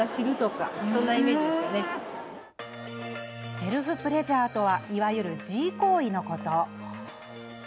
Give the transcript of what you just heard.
セルフプレジャーとはいわゆる自慰行為のこと。